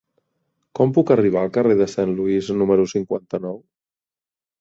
Com puc arribar al carrer de Saint Louis número cinquanta-nou?